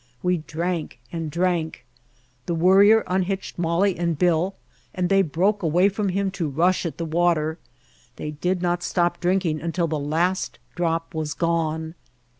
We drank and drank. The Worrier unhitched [is6] The Mountain Spring Molly and Bill and they broke away from him to rush at the water. They did not stop drink ing until the last drop was gone.